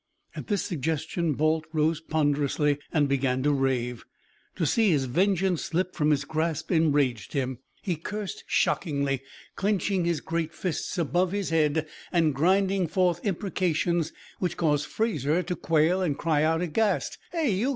At this suggestion, Balt rose ponderously and began to rave. To see his vengeance slip from his grasp enraged him. He cursed shockingly, clinching his great fists above his head, and grinding forth imprecations which caused Fraser to quail and cry out aghast: "Hey, you!